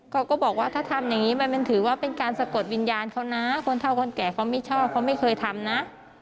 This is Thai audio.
เขาก็บอกว่าถ้าทำอย่างนี้มันถือว่าเป็นการสะกดวิญญาณเขานะคนเท่าคนแก่เขาไม่ชอบเขาไม่เคยทำนะ